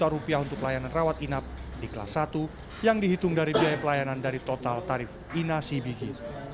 rp lima untuk layanan rawat inap di kelas satu yang dihitung dari biaya pelayanan dari total tarif inasi gigi